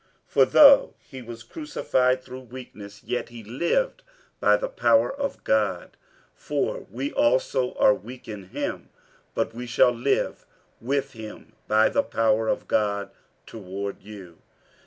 47:013:004 For though he was crucified through weakness, yet he liveth by the power of God. For we also are weak in him, but we shall live with him by the power of God toward you.